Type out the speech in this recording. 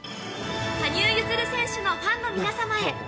羽生結弦選手のファンの皆様へ。